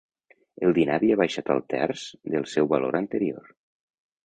El dinar havia baixat al terç del seu valor anterior.